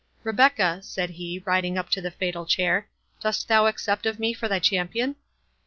—Rebecca," said he, riding up to the fatal chair, "dost thou accept of me for thy champion?"